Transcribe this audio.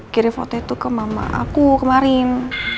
kirim foto itu ke mama aku kemarin